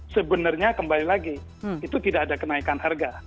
sebenarnya kembali lagi itu tidak ada kenaikan harga